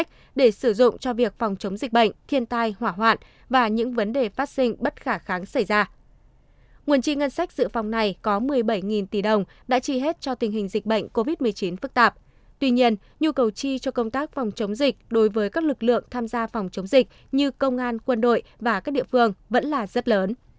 tuy nhiên nhu cầu chi cho công tác phòng chống dịch đối với các lực lượng tham gia phòng chống dịch như công an quân đội và các địa phương vẫn là rất lớn